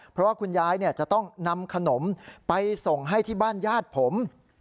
เพราะว่าคุณยายจะต้องนำขนมไปส่งให้ที่บ้านญาติผม